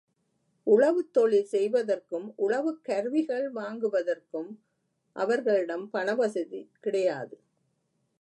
உழவுத் தொழில் செய்வதற்கும், உழவுக் கருவிகள் வாங்குவதற்கும் அவர்களிடம் பணவசதி கிடையாது.